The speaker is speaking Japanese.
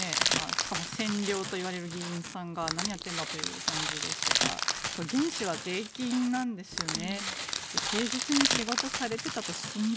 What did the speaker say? しかも選良といわれる議員さんが何をやってるんだという感じですがこれ、原資は税金なんですよね。